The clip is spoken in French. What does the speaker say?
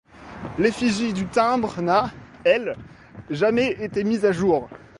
L'effigie du timbre n'a, elle, jamais été mise à jour.